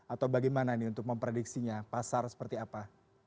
atau bagaimana ini untuk memprediksinya pasar seperti apa